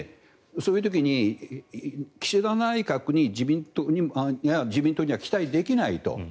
そういう時に岸田内閣や自民党には期待できないと。